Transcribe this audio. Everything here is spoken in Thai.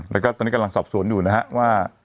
แล้วก็ตอนนี้กำลังสอบสวนอยู่นะฮะว่า